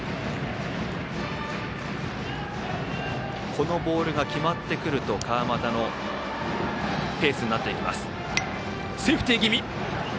このボールが決まってくると川又のペースになっていきます。